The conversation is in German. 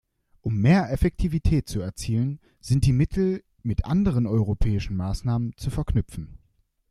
Um mehr Effektivität zu erzielen, sind die Mittel mit anderen europäischen Maßnahmen zu verknüpfen.